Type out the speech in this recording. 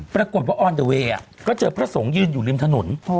ปรากฏว่าออนเดอร์เวย์ก็เจอพระสงฆ์ยืนอยู่ริมถนน